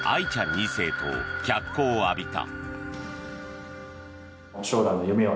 ２世と脚光を浴びた。